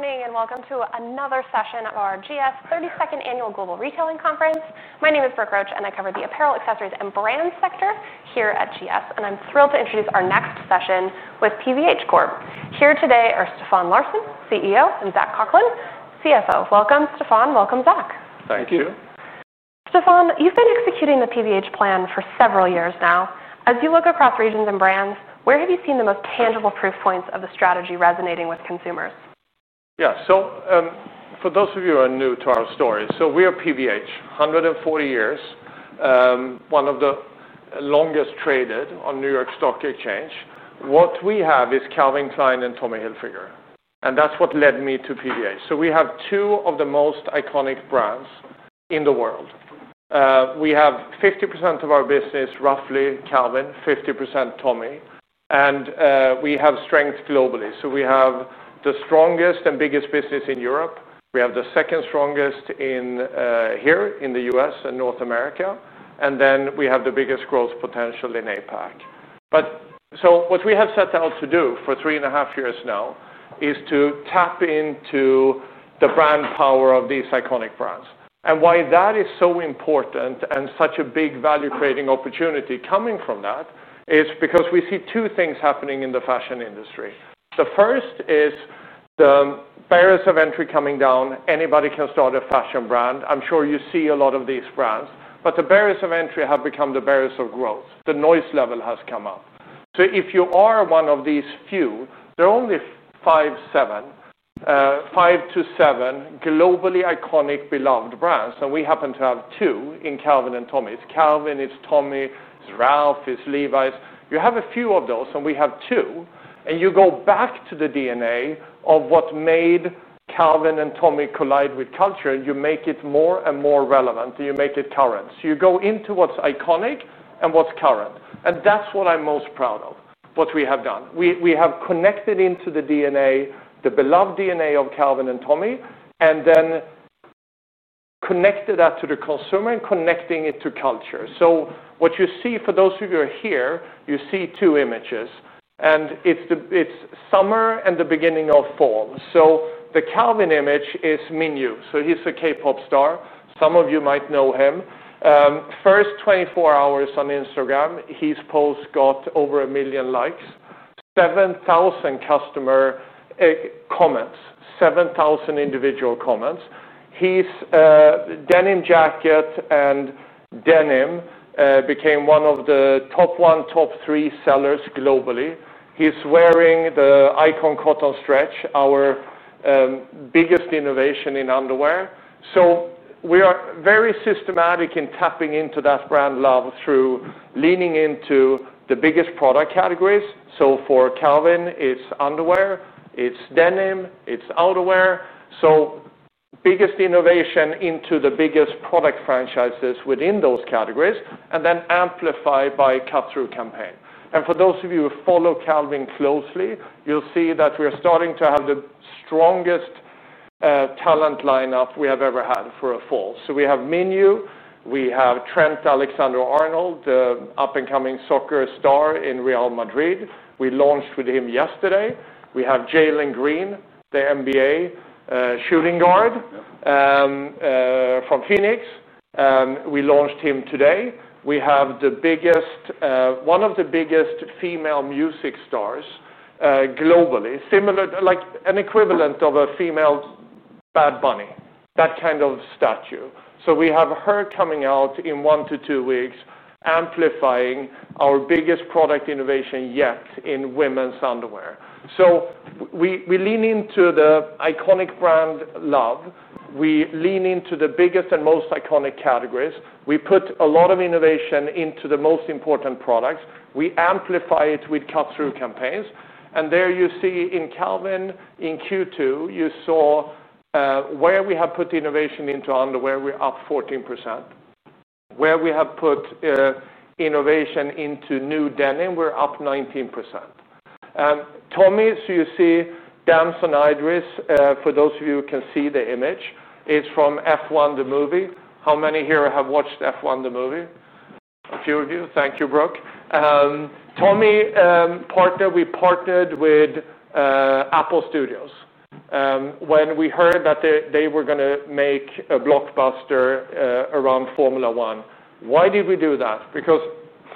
...Good morning, and welcome to another session of our GS thirty-second Annual Global Retailing Conference. My name is Brooke Roach, and I cover the apparel, accessories, and brand sector here at GS, and I'm thrilled to introduce our next session with PVH Corp. Here today are Stefan Larsson, CEO, and Zac Coughlin, CFO. Welcome, Stefan. Welcome, Zac. Thank you. Thank you. Stefan, you've been executing the PVH plan for several years now. As you look across regions and brands, where have you seen the most tangible proof points of the strategy resonating with consumers? Yeah. So, for those of you who are new to our story, so we are PVH, 140 years, one of the longest traded on New York Stock Exchange. What we have is Calvin Klein and Tommy Hilfiger, and that's what led me to PVH. So we have two of the most iconic brands in the world. We have 50% of our business, roughly, Calvin, 50%, Tommy, and we have strength globally. So we have the strongest and biggest business in Europe. We have the second strongest in here in the U.S. and North America, and then we have the biggest growth potential in APAC. But so what we have set out to do for three and a half years now is to tap into the brand power of these iconic brands, and why that is so important and such a big value-creating opportunity coming from that is because we see two things happening in the fashion industry. The first is the barriers of entry coming down. Anybody can start a fashion brand. I'm sure you see a lot of these brands, but the barriers of entry have become the barriers of growth. The noise level has come up. So if you are one of these few, there are only five to seven globally iconic, beloved brands, and we happen to have two in Calvin and Tommy. It's Calvin, it's Tommy, it's Ralph, it's Levi's. You have a few of those, and we have two, and you go back to the DNA of what made Calvin and Tommy collide with culture, and you make it more and more relevant, and you make it current. So you go into what's iconic and what's current, and that's what I'm most proud of, what we have done. We, we have connected into the DNA, the beloved DNA of Calvin and Tommy, and then connected that to the consumer and connecting it to culture. So what you see, for those of you who are here, you see two images, and it's summer and the beginning of fall. So the Calvin image is Mingyu. So he's a K-pop star. Some of you might know him. First 24 hours on Instagram, his post got over 1 million likes, 7,000 customer comments, 7,000 individual comments. His denim jacket and denim became one of the top one, top three sellers globally. He's wearing the Icon Cotton Stretch, our biggest innovation in underwear, so we are very systematic in tapping into that brand love through leaning into the biggest product categories. So for Calvin, it's underwear, it's denim, it's outerwear. So biggest innovation into the biggest product franchises within those categories, and then amplified by cut-through campaign, and for those of you who follow Calvin closely, you'll see that we are starting to have the strongest talent lineup we have ever had for a fall. So we have Mingyu, we have Trent Alexander-Arnold, the up-and-coming soccer star in Real Madrid. We launched with him yesterday. We have Jalen Green, the NBA shooting guard from Phoenix. We launched him today. We have the biggest, one of the biggest female music stars, globally, similar... Like, an equivalent of a female Bad Bunny, that kind of stature. So we have her coming out in one to two weeks, amplifying our biggest product innovation yet in women's underwear. So we lean into the iconic brand love. We lean into the biggest and most iconic categories. We put a lot of innovation into the most important products. We amplify it with cut-through campaigns, and there you see in Calvin, in Q2, you saw, where we have put innovation into underwear, we're up 14%. Where we have put innovation into new denim, we're up 19%. Tommy, so you see Damson Idris, for those of you who can see the image. It's from F1: the Movie. How many here have watched F1: the Movie? A few of you. Thank you, Brooke. Tommy partner, we partnered with Apple Studios. When we heard that they were gonna make a blockbuster around Formula One. Why did we do that? Because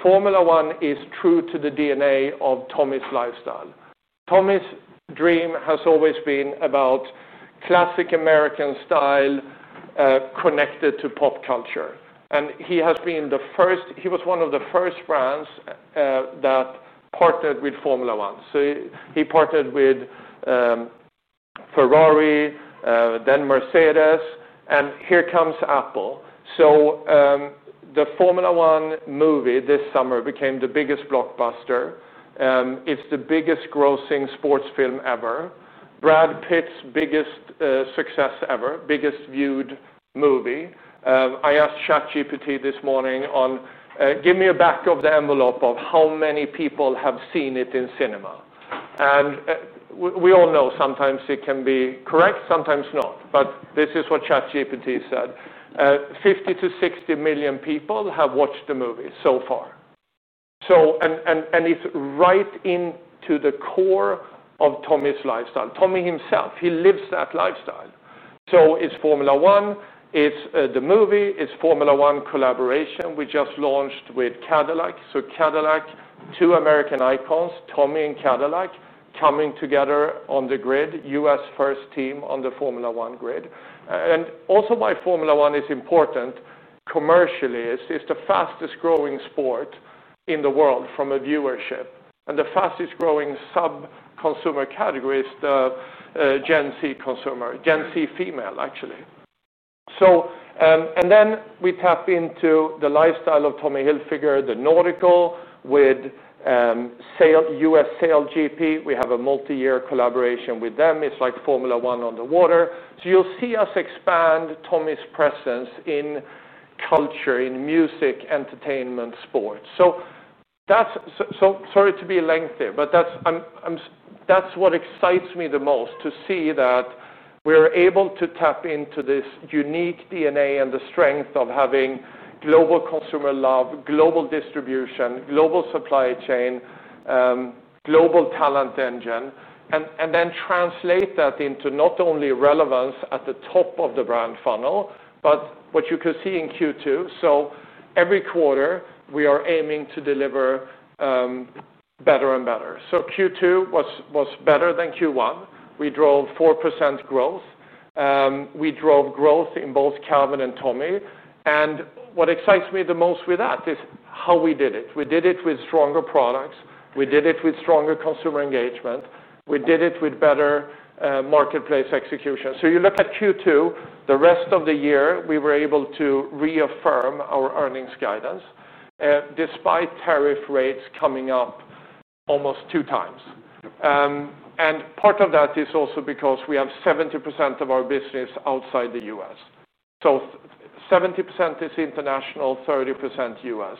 Formula One is true to the DNA of Tommy's lifestyle. Tommy's dream has always been about classic American style connected to pop culture, and he has been the first. He was one of the first brands that partnered with Formula One. So he partnered with Ferrari, then Mercedes, and here comes Apple. So the Formula One movie this summer became the biggest blockbuster. It's the biggest grossing sports film ever. Brad Pitt's biggest success ever, biggest viewed movie. I asked ChatGPT this morning on, "Give me a back-of-the-envelope of how many people have seen it in cinema." We all know sometimes it can be correct, sometimes not, but this is what ChatGPT said: "50-60 million people have watched the movie so far." It's right into the core of Tommy's lifestyle. Tommy himself, he lives that lifestyle. It's Formula One, it's the movie, it's Formula One collaboration we just launched with Cadillac. Cadillac, two American icons, Tommy and Cadillac, coming together on the grid, U.S. first team on the Formula One grid. Also why Formula One is important commercially is it's the fastest growing sport in the world from a viewership, and the fastest growing sub-consumer category is the Gen Z consumer, Gen Z female, actually. So, and then we tap into the lifestyle of Tommy Hilfiger, the nautical, with SailGP. We have a multi-year collaboration with them. It's like Formula One on the water. So you'll see us expand Tommy's presence in culture, in music, entertainment, sports. So that's. So sorry to be lengthy, but that's what excites me the most, to see that we're able to tap into this unique DNA and the strength of having global consumer love, global distribution, global supply chain, global talent engine, and then translate that into not only relevance at the top of the brand funnel, but what you could see in Q2. So every quarter, we are aiming to deliver better and better. So Q2 was better than Q1. We drove 4% growth. We drove growth in both Calvin and Tommy, and what excites me the most with that is how we did it. We did it with stronger products, we did it with stronger consumer engagement, we did it with better marketplace execution. So you look at Q2, the rest of the year, we were able to reaffirm our earnings guidance despite tariff rates coming up almost two times. And part of that is also because we have 70% of our business outside the U.S. So 70% is international, 30% U.S.,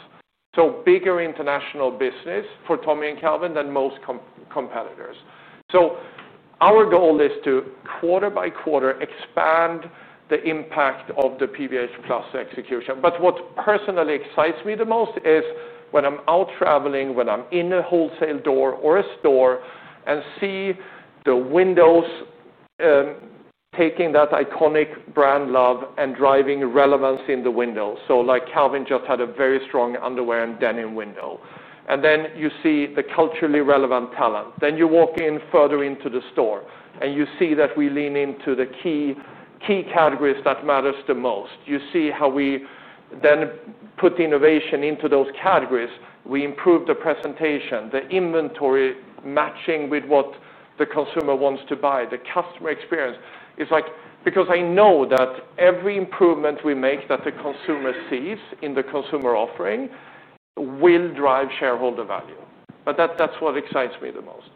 so bigger international business for Tommy and Calvin than most competitors. So our goal is to, quarter by quarter, expand the impact of the PVH Plus execution. But what personally excites me the most is when I'm out traveling, when I'm in a wholesale door or a store, and see the windows, taking that iconic brand love and driving relevance in the window. So like Calvin just had a very strong underwear and denim window. And then you see the culturally relevant talent. Then you walk in further into the store, and you see that we lean into the key, key categories that matters the most. You see how we then put innovation into those categories. We improve the presentation, the inventory, matching with what the consumer wants to buy, the customer experience. It's like, because I know that every improvement we make that the consumer sees in the consumer offering, will drive shareholder value, but that, that's what excites me the most.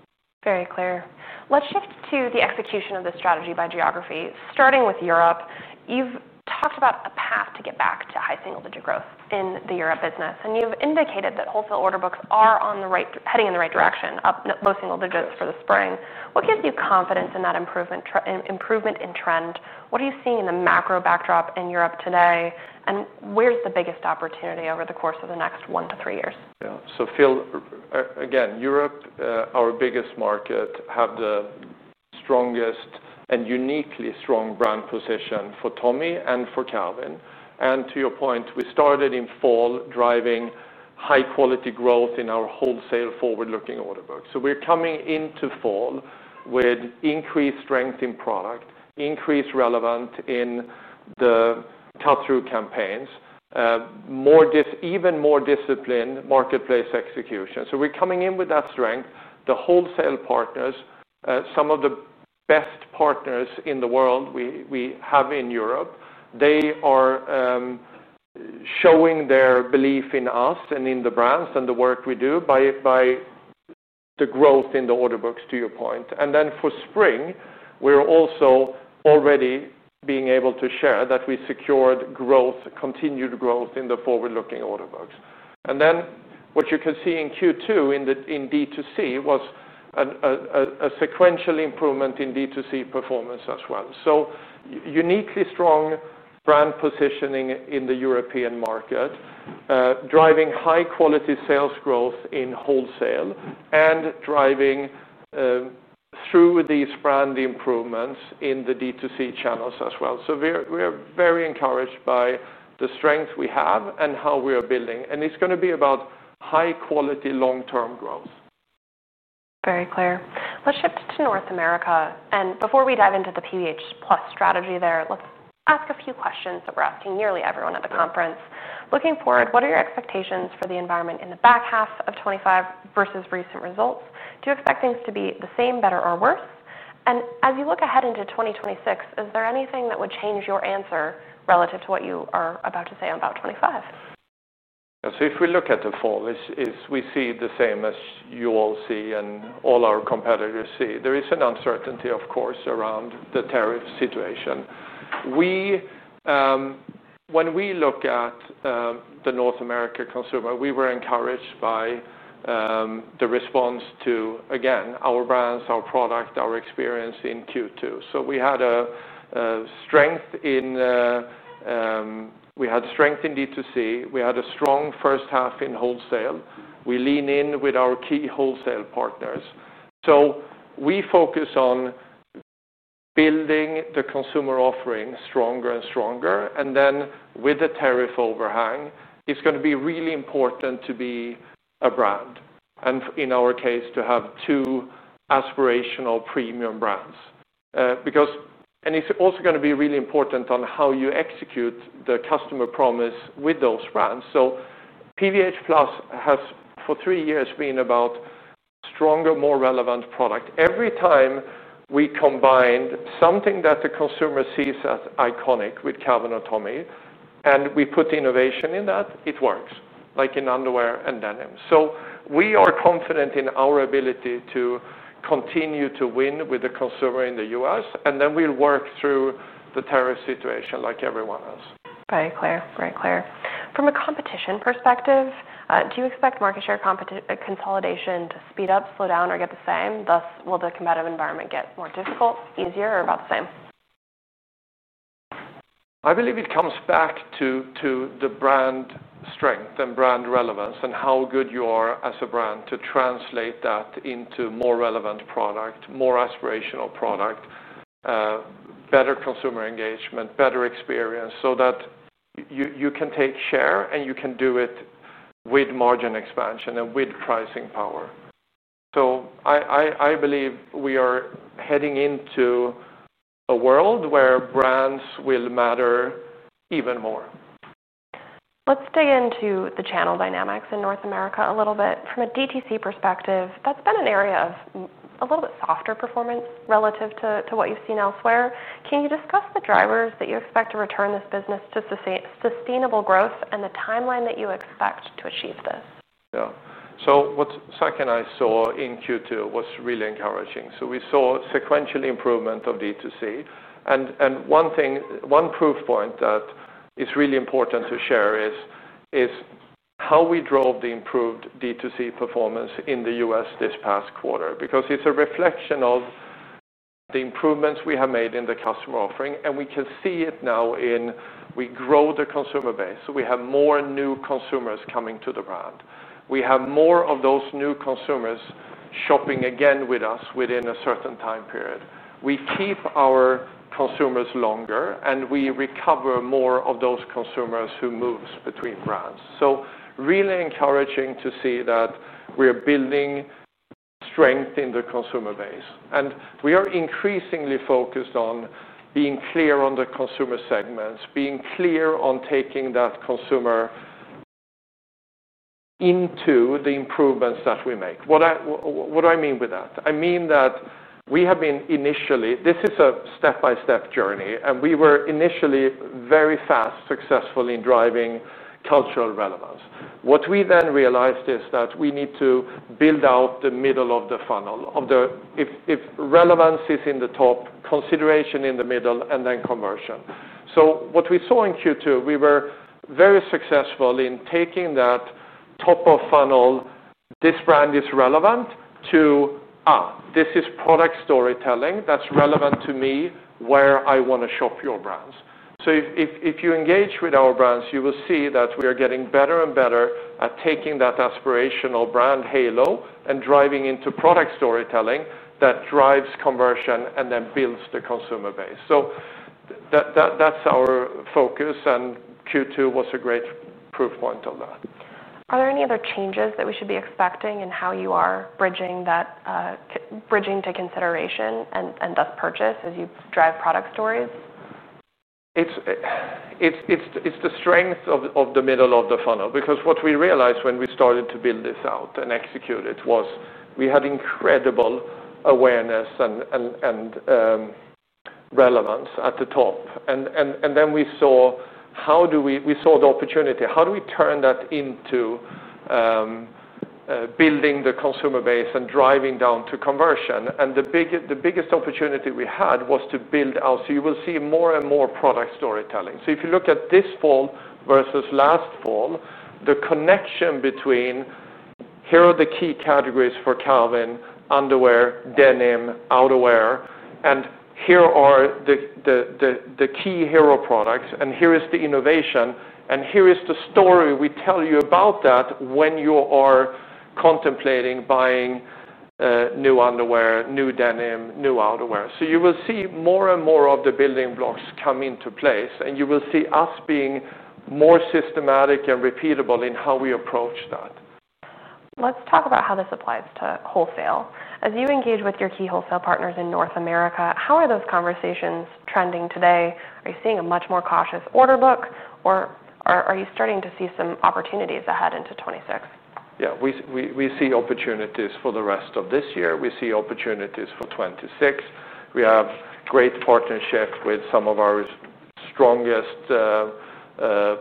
Very clear. Let's shift to the execution of the strategy by geography, starting with Europe. You've talked about a path to get back to high single-digit growth in the Europe business, and you've indicated that wholesale order books are on the right, heading in the right direction, up low single digits for the spring. What gives you confidence in that improvement in trend? What are you seeing in the macro backdrop in Europe today, and where's the biggest opportunity over the course of the next one to three years? Yeah. So Phil, again, Europe, our biggest market, has the strongest and uniquely strong brand position for Tommy and for Calvin. To your point, we started in fall, driving high-quality growth in our wholesale forward-looking order book. We're coming into fall with increased strength in product, increased relevance in the cut-through campaigns, even more disciplined marketplace execution. We're coming in with that strength. The wholesale partners, some of the best partners in the world we have in Europe, they are showing their belief in us and in the brands and the work we do by the growth in the order books, to your point. Then for spring, we're also already being able to share that we secured growth, continued growth in the forward-looking order books. What you can see in Q2, in the D2C, was a sequential improvement in D2C performance as well. Uniquely strong brand positioning in the European market driving high-quality sales growth in wholesale, and driving through these brand improvements in the D2C channels as well. We're very encouraged by the strength we have and how we are building, and it's gonna be about high-quality, long-term growth. Very clear. Let's shift to North America, and before we dive into the PVH Plus strategy there, let's ask a few questions that we're asking nearly everyone at the conference. Looking forward, what are your expectations for the environment in the back half of 2025 versus recent results? Do you expect things to be the same, better, or worse? And as you look ahead into 2026, is there anything that would change your answer relative to what you are about to say about 2025? So if we look at the fall, it's. We see the same as you all see and all our competitors see. There is an uncertainty, of course, around the tariff situation. We, when we look at, the North America consumer, we were encouraged by the response to, again, our brands, our product, our experience in Q2. So we had a strength in, we had strength in DTC. We had a strong first half in wholesale. We lean in with our key wholesale partners. So we focus on building the consumer offering stronger and stronger, and then with the tariff overhang, it's gonna be really important to be a brand, and in our case, to have two aspirational premium brands. Because, and it's also gonna be really important on how you execute the customer promise with those brands. So PVH Plus has, for three years, been about stronger, more relevant product. Every time we combined something that the consumer sees as iconic with Calvin or Tommy, and we put innovation in that, it works, like in underwear and denim. So we are confident in our ability to continue to win with the consumer in the U.S., and then we'll work through the tariff situation like everyone else. Very clear. Very clear. From a competition perspective, do you expect market share consolidation to speed up, slow down, or get the same? Thus, will the competitive environment get more difficult, easier, or about the same? I believe it comes back to the brand strength and brand relevance and how good you are as a brand to translate that into more relevant product, more aspirational product, better consumer engagement, better experience, so that you can take share, and you can do it with margin expansion and with pricing power. So I believe we are heading into a world where brands will matter even more. Let's dig into the channel dynamics in North America a little bit. From a DTC perspective, that's been an area of a little bit softer performance relative to what you've seen elsewhere. Can you discuss the drivers that you expect to return this business to sustainable growth and the timeline that you expect to achieve this? Yeah. So what Zac and I saw in Q2 was really encouraging. So we saw sequential improvement of DTC, and one thing, one proof point that is really important to share is how we drove the improved DTC performance in the U.S. this past quarter, because it's a reflection of the improvements we have made in the customer offering, and we can see it now. We grow the consumer base. We have more new consumers coming to the brand. We have more of those new consumers shopping again with us within a certain time period. We keep our consumers longer, and we recover more of those consumers who moves between brands. So really encouraging to see that we're building strength in the consumer base, and we are increasingly focused on being clear on the consumer segments, being clear on taking that consumer into the improvements that we make. What do I mean by that? I mean that we have been initially... This is a step-by-step journey, and we were initially very fast, successful in driving cultural relevance. What we then realized is that we need to build out the middle of the funnel, of the... If relevance is in the top, consideration in the middle, and then conversion. So what we saw in Q2, we were very successful in taking that top-of-funnel, "This brand is relevant," to, "Ah, this is product storytelling that's relevant to me, where I want to shop your brands." So if you engage with our brands, you will see that we are getting better and better at taking that aspirational brand halo and driving into product storytelling that drives conversion and then builds the consumer base. So that's our focus, and Q2 was a great proof point of that. Are there any other changes that we should be expecting in how you are bridging that to consideration and thus purchase, as you drive product stories? It's the strength of the middle of the funnel, because what we realized when we started to build this out and execute it was we had incredible awareness and relevance at the top, and then we saw the opportunity. How do we turn that into building the consumer base and driving down to conversion, and the biggest opportunity we had was to build out, so you will see more and more product storytelling. If you look at this fall versus last fall, the connection between, "Here are the key categories for Calvin: underwear, denim, outerwear, and here are the key hero products, and here is the innovation, and here is the story we tell you about that when you are contemplating buying new underwear, new denim, new outerwear." You will see more and more of the building blocks come into place, and you will see us being more systematic and repeatable in how we approach that. Let's talk about how this applies to wholesale. As you engage with your key wholesale partners in North America, how are those conversations trending today? Are you seeing a much more cautious order book, or are you starting to see some opportunities ahead into 2026? Yeah, we see opportunities for the rest of this year. We see opportunities for 2026. We have great partnership with some of our strongest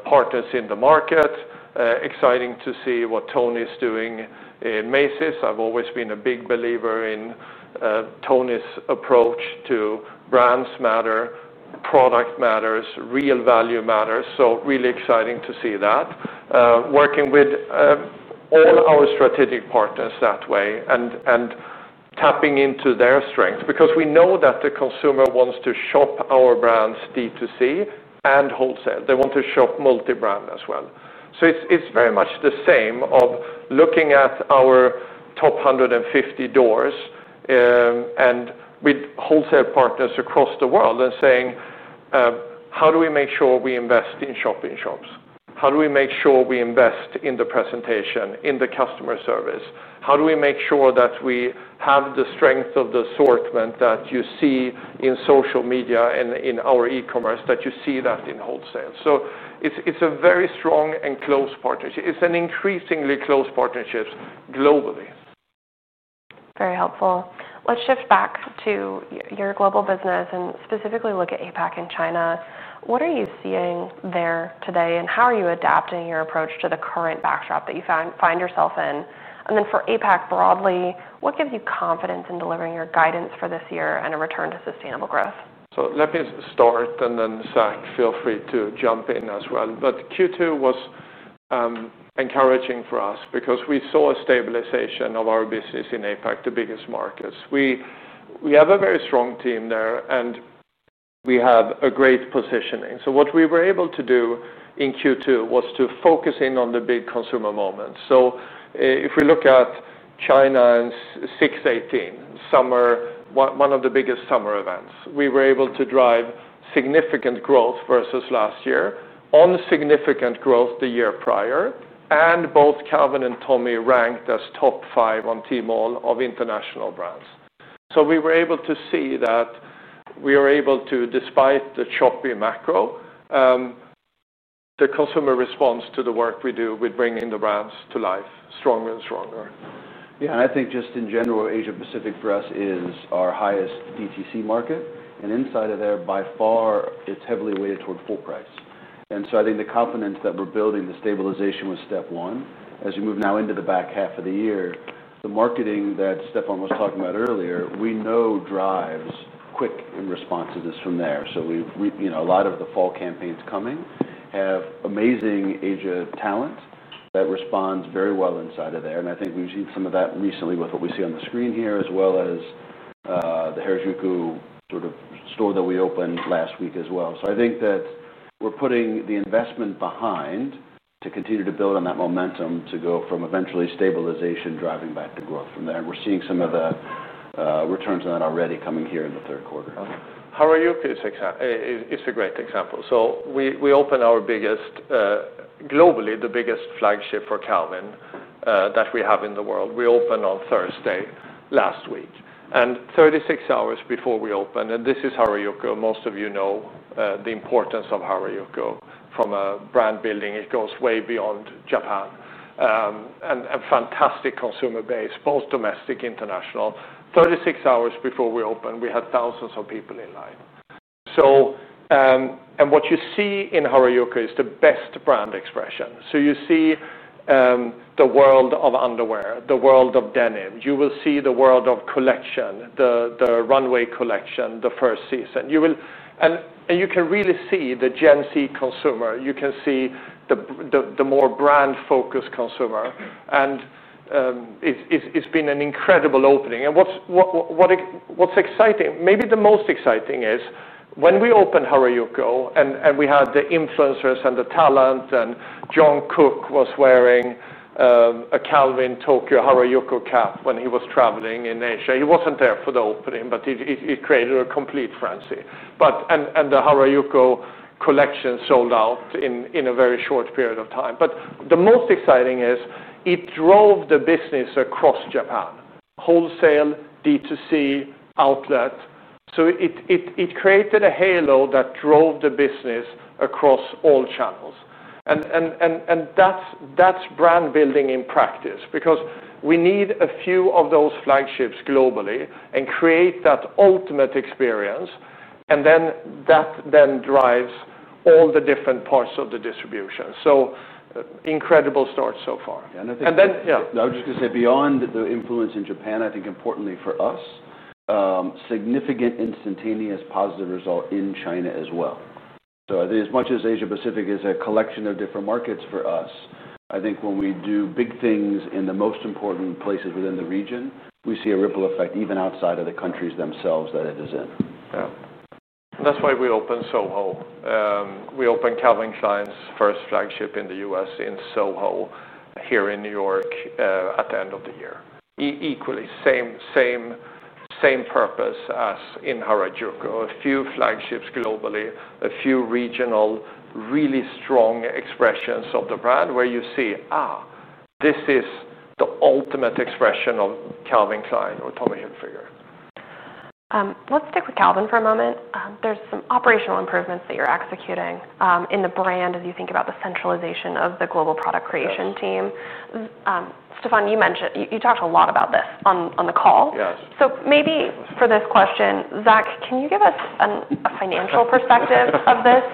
partners in the market. Exciting to see what Tony's doing in Macy's. I've always been a big believer in Tony's approach to brands matter, product matters, real value matters, so really exciting to see that. Working with all our strategic partners that way and tapping into their strengths, because we know that the consumer wants to shop our brands D2C and wholesale. They want to shop multi-brand as well. So it's very much the same of looking at our top 150 doors, and with wholesale partners across the world and saying, "How do we make sure we invest in shop-in-shops? How do we make sure we invest in the presentation, in the customer service? How do we make sure that we have the strength of the assortment that you see in social media and in our e-commerce, that you see that in wholesale? So it's a very strong and close partnership. It's an increasingly close partnerships globally. Very helpful. Let's shift back to your global business and specifically look at APAC and China. What are you seeing there today, and how are you adapting your approach to the current backdrop that you find yourself in? And then for APAC broadly, what gives you confidence in delivering your guidance for this year and a return to sustainable growth? So let me start, and then, Zac, feel free to jump in as well. But Q2 was encouraging for us because we saw a stabilization of our business in APAC, the biggest markets. We have a very strong team there, and we have a great positioning. So what we were able to do in Q2 was to focus in on the big consumer moments. So if we look at China and six eighteen, summer, one of the biggest summer events, we were able to drive significant growth versus last year, on significant growth the year prior, and both Calvin and Tommy ranked as top five on Tmall of international brands. So we were able to see that we are able to, despite the choppy macro, the customer responds to the work we do with bringing the brands to life stronger and stronger. Yeah, and I think just in general, Asia Pacific for us is our highest DTC market, and inside of there, by far, it's heavily weighted toward full price. I think the confidence that we're building, the stabilization was step one. As you move now into the back half of the year, the marketing that Stefan was talking about earlier, we know drives quick and responsiveness from there. We've. You know, a lot of the fall campaigns coming have amazing Asian talent that responds very well inside of there, and I think we've seen some of that recently with what we see on the screen here, as well as the Harajuku sort of store that we opened last week as well. So I think that we're putting the investment behind to continue to build on that momentum to go from eventually stabilization, driving back to growth from there. And we're seeing some of that returns on that already coming here in the third quarter. Harajuku is a great example. We opened our biggest, globally, the biggest flagship for Calvin that we have in the world. We opened on Thursday last week, and 36 hours before we opened. This is Harajuku. Most of you know the importance of Harajuku from a brand building. It goes way beyond Japan. And a fantastic consumer base, both domestic, international. 36 hours before we opened, we had thousands of people in line. What you see in Harajuku is the best brand expression. You see the world of underwear, the world of denim. You will see the world of collection, the runway collection, the first season. You can really see the Gen Z consumer. You can see the more brand-focused consumer, and it's been an incredible opening. What's exciting, maybe the most exciting, is when we opened Harajuku, and we had the influencers and the talent, and Jungkook was wearing a Calvin Tokyo Harajuku cap when he was traveling in Asia. He wasn't there for the opening, but it created a complete frenzy. The Harajuku collection sold out in a very short period of time. The most exciting is it drove the business across Japan, wholesale, D2C, outlet. So it created a halo that drove the business across all channels, and that's brand building in practice, because we need a few of those flagships globally and create that ultimate experience, and then that drives all the different parts of the distribution. So incredible start so far. I think. And then, yeah. I was just gonna say, beyond the influence in Japan, I think importantly for us, significant instantaneous positive result in China as well. So as much as Asia Pacific is a collection of different markets for us, I think when we do big things in the most important places within the region, we see a ripple effect, even outside of the countries themselves that it is in. Yeah. That's why we opened Soho. We opened Calvin Klein's first flagship in the U.S. in Soho, here in New York, at the end of the year. Equally, same purpose as in Harajuku. A few flagships globally, a few regional, really strong expressions of the brand, where you see, this is the ultimate expression of Calvin Klein or Tommy Hilfiger. Let's stick with Calvin for a moment. There's some operational improvements that you're executing, in the brand as you think about the centralization of the global product creation team. Yes. Stefan, you mentioned... You talked a lot about this on the call. Yes. Maybe for this question, Zac, can you give us a financial perspective of this?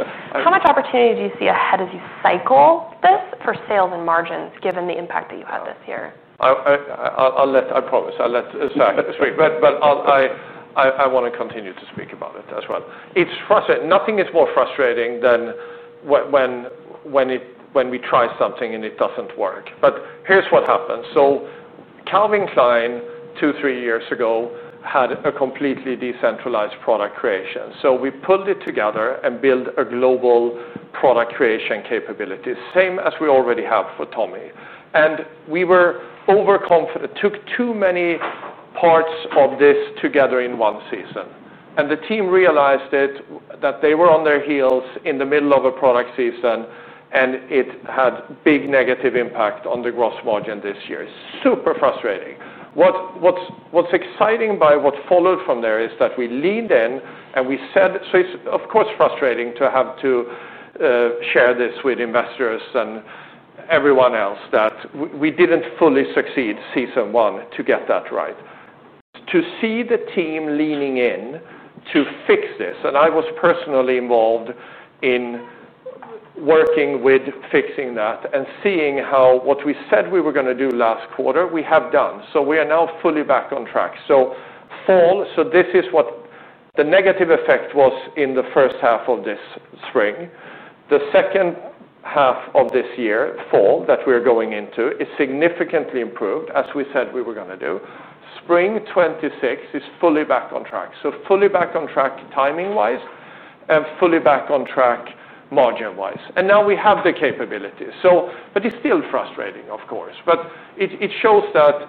How much opportunity do you see ahead as you cycle this for sales and margins, given the impact that you had this year? I'll let Zac speak. I promise, I'll let Zac speak. But I wanna continue to speak about it as well. Nothing is more frustrating than when we try something, and it doesn't work. But here's what happened. Calvin Klein, two, three years ago, had a completely decentralized product creation. So we pulled it together and built a global product creation capability, same as we already have for Tommy. And we took too many parts of this together in one season, and the team realized it, that they were on their heels in the middle of a product season, and it had big negative impact on the gross margin this year. Super frustrating. What's exciting by what followed from there is that we leaned in, and we said... So it's, of course, frustrating to have to share this with investors and everyone else, that we didn't fully succeed season one to get that right. To see the team leaning in to fix this, and I was personally involved in working with fixing that and seeing how what we said we were gonna do last quarter, we have done. So we are now fully back on track. So fall, so this is what the negative effect was in the first half of this spring. The second half of this year, fall, that we're going into, is significantly improved, as we said we were gonna do. Spring 2026 is fully back on track. So fully back on track timing-wise, and fully back on track margin-wise. And now we have the capability. But it's still frustrating, of course, but it shows that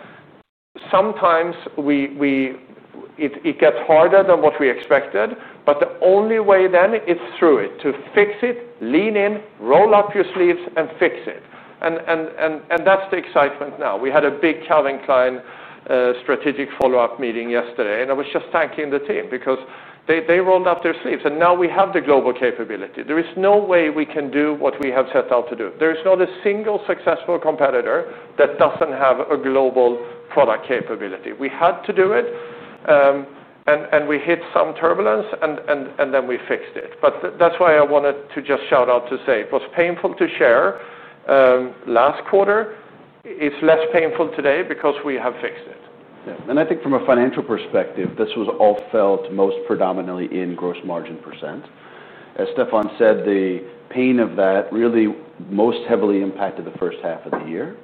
sometimes we get harder than what we expected, but the only way then is through it, to fix it, lean in, roll up your sleeves, and fix it. That's the excitement now. We had a big Calvin Klein strategic follow-up meeting yesterday, and I was just thanking the team because they rolled up their sleeves, and now we have the global capability. There is no way we can do what we have set out to do. There is not a single successful competitor that doesn't have a global product capability. We had to do it, and we hit some turbulence, and then we fixed it. But that's why I wanted to just shout out to say it was painful to share last quarter. It's less painful today because we have fixed it. Yeah, and I think from a financial perspective, this was all felt most predominantly in gross margin %. As Stefan said, the pain of that really most heavily impacted the first half of the year.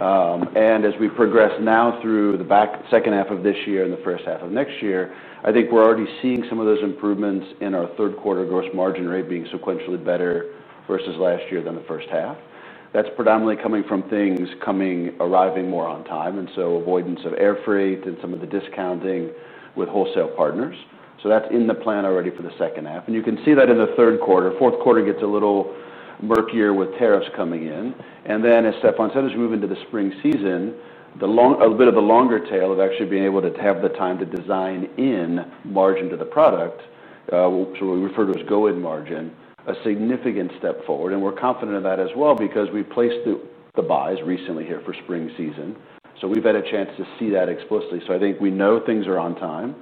And as we progress now through the second half of this year and the first half of next year, I think we're already seeing some of those improvements in our third quarter gross margin rate being sequentially better versus last year than the first half. That's predominantly coming from things coming, arriving more on time, and so avoidance of air freight and some of the discounting with wholesale partners. So that's in the plan already for the second half. And you can see that in the third quarter. Fourth quarter gets a little murkier with tariffs coming in. And then, as Stefan said, as you move into the spring season, the long... a bit of a longer tail of actually being able to have the time to design in margin to the product, which we refer to as go-in margin, a significant step forward. And we're confident of that as well because we placed the buys recently here for spring season. So we've had a chance to see that explicitly. So I think we know things are on time,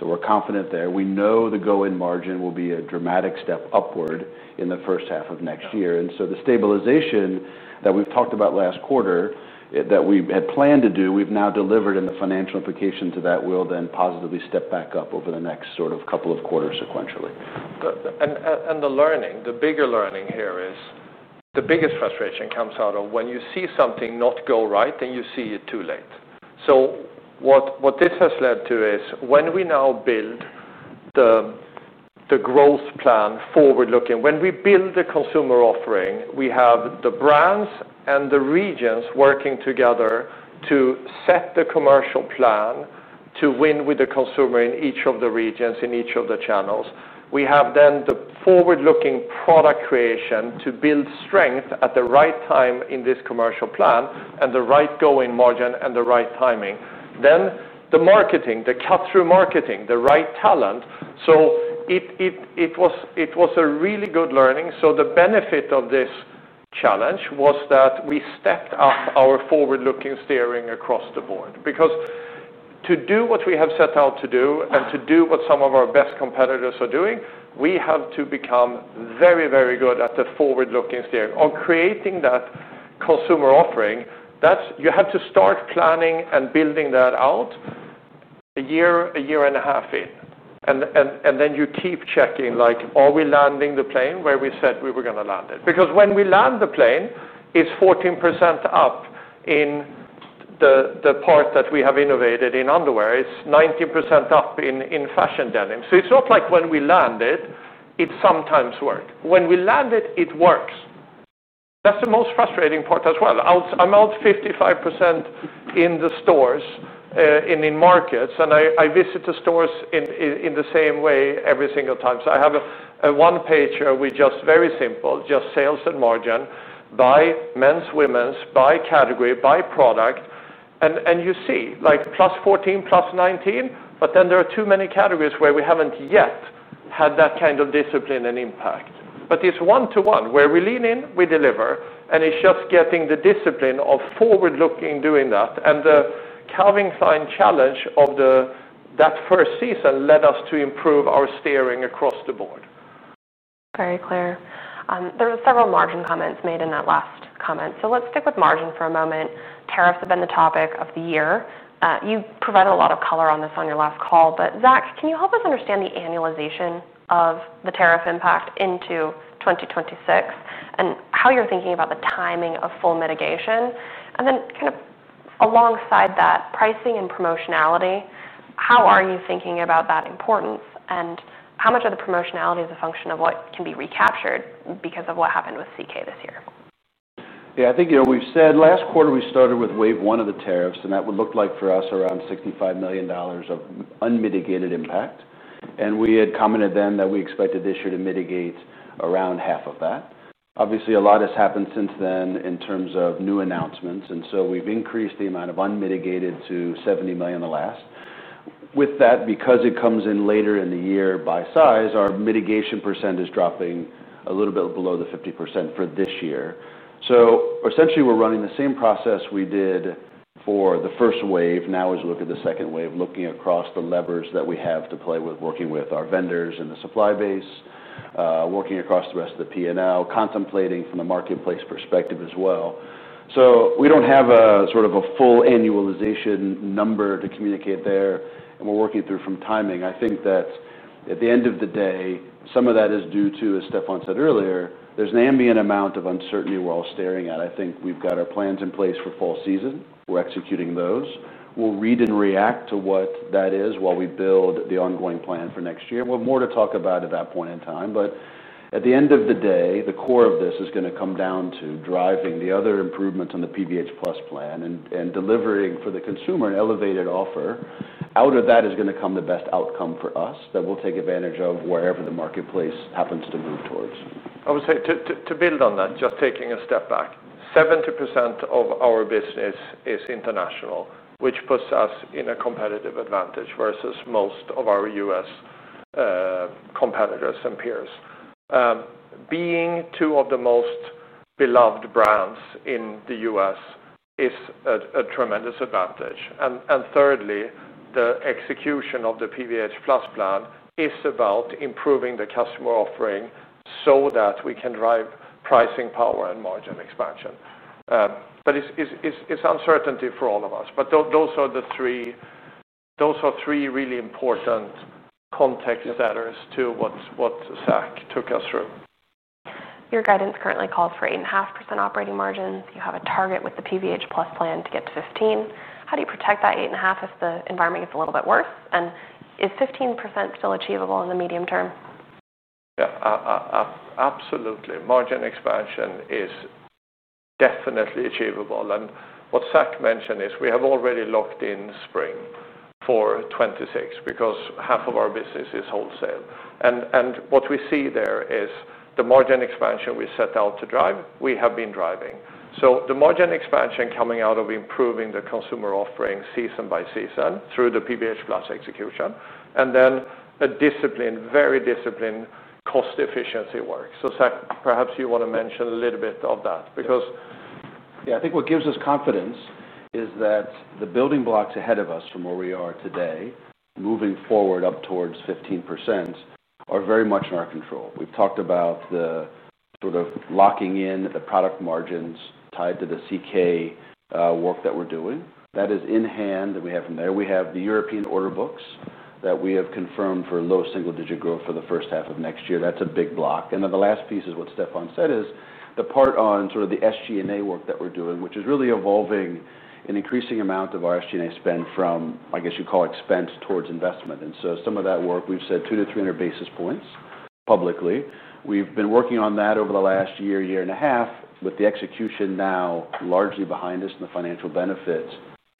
so we're confident there. We know the go-in margin will be a dramatic step upward in the first half of next year. And so the stabilization that we've talked about last quarter, that we had planned to do, we've now delivered, and the financial implication to that will then positively step back up over the next sort of couple of quarters sequentially. The learning, the bigger learning here is, the biggest frustration comes out of when you see something not go right, and you see it too late. So what this has led to is, when we now build the growth plan forward-looking, when we build the consumer offering, we have the brands and the regions working together to set the commercial plan to win with the consumer in each of the regions, in each of the channels. We have then the forward-looking product creation to build strength at the right time in this commercial plan and the right go-in margin and the right timing. Then the marketing, the cut-through marketing, the right talent. So it was a really good learning. So the benefit of this challenge was that we stepped up our forward-looking steering across the board. Because to do what we have set out to do and to do what some of our best competitors are doing, we have to become very, very good at the forward-looking steering. On creating that consumer offering, that's you have to start planning and building that out a year, a year and a half in, and, and, and then you keep checking, like, are we landing the plane where we said we were gonna land it? Because when we land the plane, it's 14% up in the part that we have innovated in underwear. It's 19% up in fashion denim. So it's not like when we land it, it sometimes work. When we land it, it works. That's the most frustrating part as well. I'm out 55% in the stores in the markets, and I visit the stores in the same way every single time. So I have a one-pager with just very simple sales and margin by men's, women's, by category, by product, and you see, like, +14, +19, but then there are too many categories where we haven't yet had that kind of discipline and impact. But it's one to one, where we lean in, we deliver, and it's just getting the discipline of forward-looking, doing that. The Calvin Klein challenge of that first season led us to improve our steering across the board. Very clear. There were several margin comments made in that last comment, so let's stick with margin for a moment. Tariffs have been the topic of the year. You provided a lot of color on this on your last call, but Zac, can you help us understand the annualization of the tariff impact into 2026 and how you're thinking about the timing of full mitigation? And then, alongside that, pricing and promotionality, how are you thinking about that importance, and how much of the promotionality is a function of what can be recaptured because of what happened with CK this year? Yeah, I think, you know, we've said last quarter, we started with wave one of the tariffs, and that would look like for us, around $65 million of unmitigated impact. We had commented then that we expected this year to mitigate around half of that. Obviously, a lot has happened since then in terms of new announcements, and so we've increased the amount of unmitigated to $70 million the last. With that, because it comes in later in the year by size, our mitigation percent is dropping a little bit below the 50% for this year. Essentially, we're running the same process we did for the first wave. Now, as we look at the second wave, looking across the levers that we have to play with, working with our vendors and the supply base, working across the rest of the P&L, contemplating from a marketplace perspective as well. So we don't have a sort of a full annualization number to communicate there, and we're working through from timing. I think that at the end of the day, some of that is due to, as Stefan said earlier, there's an ambient amount of uncertainty we're all staring at. I think we've got our plans in place for fall season. We're executing those. We'll read and react to what that is while we build the ongoing plan for next year. We'll have more to talk about at that point in time, but at the end of the day, the core of this is gonna come down to driving the other improvements on the PVH Plus plan and delivering for the consumer an elevated offer. Out of that is gonna come the best outcome for us, that we'll take advantage of wherever the marketplace happens to move towards. I would say, to build on that, just taking a step back, 70% of our business is international, which puts us in a competitive advantage versus most of our U.S. competitors and peers. Being two of the most beloved brands in the U.S. is a tremendous advantage. And thirdly, the execution of the PVH Plus plan is about improving the customer offering so that we can drive pricing power and margin expansion. But it's uncertainty for all of us, but those are the three. Those are three really important context setters to what Zac took us through. Your guidance currently calls for 8.5% operating margins. You have a target with the PVH Plus plan to get to 15. How do you protect that 8.5 if the environment gets a little bit worse, and is 15% still achievable in the medium term? Yeah, absolutely. Margin expansion is definitely achievable, and what Zac mentioned is we have already locked in spring for 2026, because half of our business is wholesale. And what we see there is the margin expansion we set out to drive, we have been driving. So the margin expansion coming out of improving the consumer offering season by season through the PVH Plus execution, and then a disciplined, very disciplined cost efficiency work. So, Zac, perhaps you want to mention a little bit of that, because Yeah, I think what gives us confidence is that the building blocks ahead of us from where we are today, moving forward up towards 15%, are very much in our control. We've talked about the sort of locking in the product margins tied to the CK work that we're doing. That is in hand, that we have from there. We have the European order books that we have confirmed for low single-digit growth for the first half of next year. That's a big block. And then the last piece is what Stefan said is, the part on sort of the SG&A work that we're doing, which is really evolving an increasing amount of our SG&A spend from, I guess you'd call, expense towards investment. And so some of that work, we've said 200-300 basis points publicly. We've been working on that over the last year, year and a half, with the execution now largely behind us and the financial benefits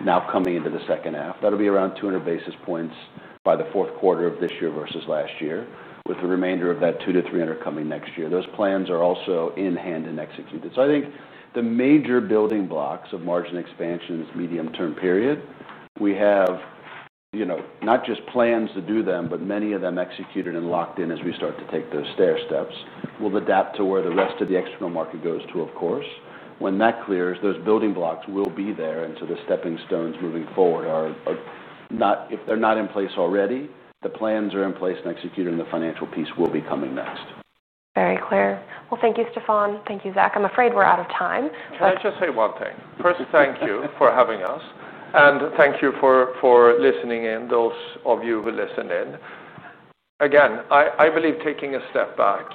now coming into the second half. That'll be around 200 basis points by the fourth quarter of this year versus last year, with the remainder of that 200-300 coming next year. Those plans are also in hand and executed. So I think the major building blocks of margin expansion this medium-term period, we have, you know, not just plans to do them, but many of them executed and locked in as we start to take those stairsteps. We'll adapt to where the rest of the external market goes to, of course. When that clears, those building blocks will be there, and so the stepping stones moving forward are not... If they're not in place already, the plans are in place and executed, and the financial piece will be coming next. Very clear. Well, thank you, Stefan. Thank you, Zac. I'm afraid we're out of time. Can I just say one thing? First, thank you for having us, and thank you for listening in, those of you who listened in. Again, I believe taking a step back,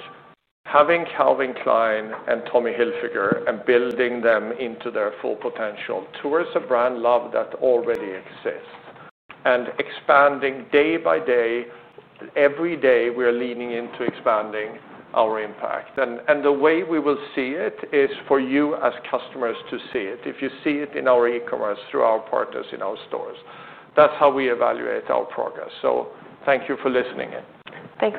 having Calvin Klein and Tommy Hilfiger and building them into their full potential, towards the brand love that already exists, and expanding day by day, every day, we are leaning into expanding our impact. And the way we will see it is for you, as customers, to see it. If you see it in our e-commerce, through our partners in our stores, that's how we evaluate our progress. So thank you for listening in. Thanks.